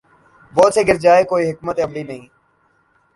بوجھ سے گر جائے کوئی حکمت عملی نہیں